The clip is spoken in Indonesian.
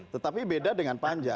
tetapi beda dengan panja